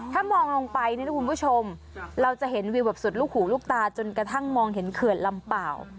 ถ้ามองลงไปเนี่ยนะคุณผู้ชมเราจะเห็นวิวแบบสุดลูกหูลูกตาจนกระทั่งมองเห็นเขื่อนลำเปล่า